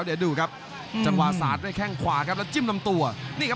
เดี๋ยวดูครับจังหวะสาดด้วยแข้งขวาครับแล้วจิ้มลำตัวนี่ครับ